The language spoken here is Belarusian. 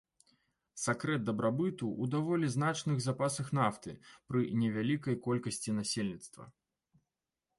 Сакрэт дабрабыту ў даволі значных запасах нафты пры невялікай колькасці насельніцтва.